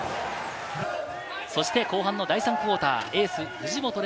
そして後半の第３クオーター、エース・藤本怜